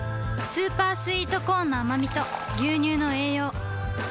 スーパースイートコーンのあまみと牛乳の栄養